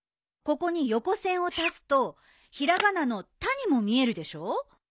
ここに横線を足すと平仮名の「た」にも見えるでしょ？